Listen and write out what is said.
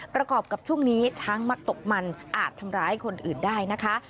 กับช่วงนี้ช้างมักตกมันอาจทำร้ายคนอื่นได้นะคะ